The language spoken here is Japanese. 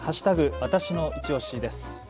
わたしのいちオシです。